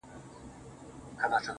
o ماخو ستا غمونه ځوروي گلي .